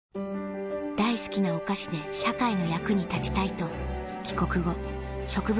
大好きなお菓子で社会の役に立ちたいと帰国後植物